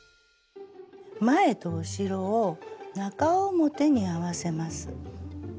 前と後ろを中表に合わせます。